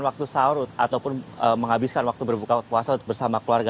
waktu sahur ataupun menghabiskan waktu berbuka puasa bersama keluarga